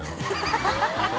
ハハハ